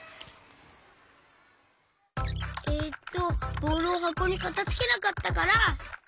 えっとボールをはこにかたづけなかったから。